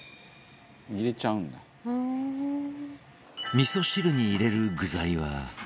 味噌汁に入れる具材は